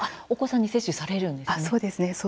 お子さんに接種されるんですね。